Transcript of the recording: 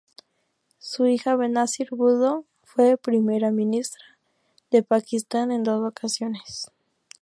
Su hija Benazir Bhutto fue primera ministra de Pakistán en dos ocasiones.